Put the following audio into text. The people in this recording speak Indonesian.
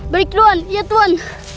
baik tuan ya tuan